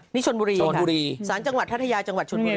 นี่ชนบูรีภาพจัดทะเทยาชนบูรี